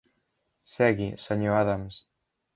Segui, Sr. Adams.